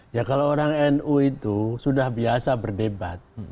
ya kalau orang nu itu sudah biasa berdebat